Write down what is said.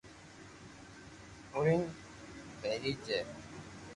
ھيڙين پيري جي